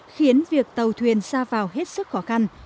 khiến việc tàu thuyền ra vào hết sức khó khăn